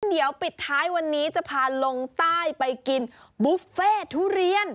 เดี๋ยวปิดท้ายวันนี้จะพาลงใต้ไปกินบุฟเฟ่ทุเรียน